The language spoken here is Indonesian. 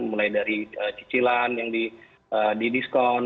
mulai dari cicilan yang didiskon